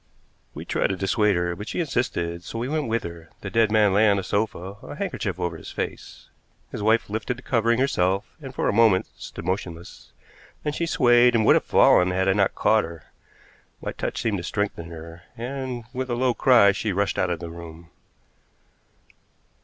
We tried to dissuade her, but she insisted, so we went with her. The dead man lay on a sofa, a handkerchief over his face. His wife lifted the covering herself and for a moment stood motionless. Then she swayed and would have fallen had I not caught her. My touch seemed to strengthen her, and, with a low cry, she rushed out of the room.